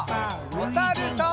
おさるさん。